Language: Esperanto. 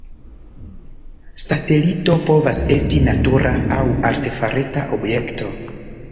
Satelito povas esti natura aŭ artefarita objekto.